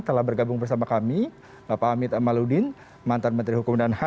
telah bergabung bersama kami bapak amit amaluddin mantan menteri hukum indonesia